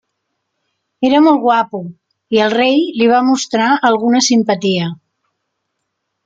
Era molt guapo i el rei li va mostrar alguna simpatia.